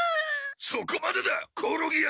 そこまでだコオロギ足！